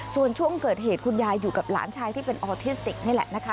ส่วนช่วงเกิดเหตุคุณยายอยู่กับหลานชายที่เป็นออทิสติกนี่แหละนะคะ